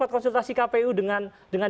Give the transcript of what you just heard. konsultasi kpu dengan